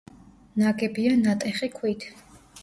ნაგებია ნატეხი ქვით.